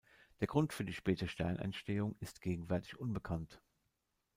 Der Grund für die späte Sternentstehung ist gegenwärtig unbekannt.